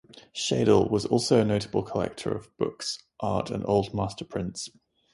Schedel was also a notable collector of books, art and old master prints.